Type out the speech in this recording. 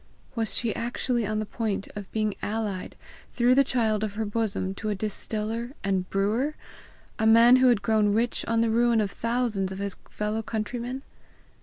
Was she actually on the point of being allied through the child of her bosom to a distiller and brewer a man who had grown rich on the ruin of thousands of his fellow countrymen?